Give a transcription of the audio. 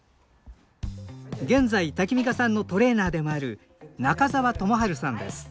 現在タキミカさんのトレーナーでもある中沢智治さんです。